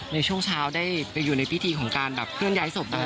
ในช่วงเช้าได้อยู่ในพิธีการเคลื่อนย้ายศพ